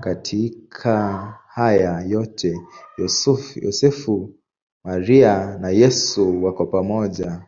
Katika hayo yote Yosefu, Maria na Yesu wako pamoja.